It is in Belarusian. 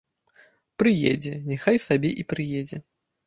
Прыедзе, няхай сабе і прыедзе.